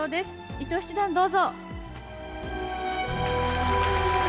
伊藤七段、どうぞ。